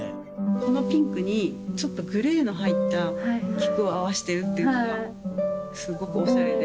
このピンクにちょっとグレーの入った菊を合わせてるっていうのがすごくオシャレで。